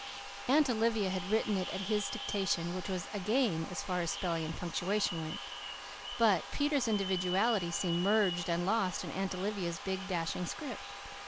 Aunt Olivia had written it at his dictation, which was a gain, as far as spelling and punctuation went. But Peter's individuality seemed merged and lost in Aunt Olivia's big, dashing script.